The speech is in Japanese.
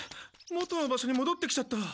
元の場所にもどってきちゃった。